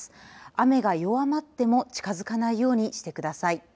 雨が弱まっても近づかないようにしてください。